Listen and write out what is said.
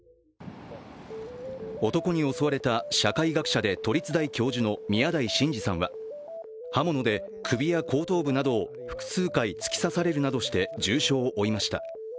男に襲われた社会学者で都立大教授の宮台真司さんは刃物で首や後頭部などを複数回突き刺されるなどして重傷を負いました。